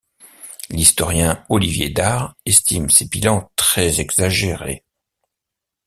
L'historien Olivier Dard estime ces bilans très exagérés.